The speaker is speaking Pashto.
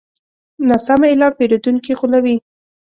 ناسم اعلان پیرودونکي غولوي.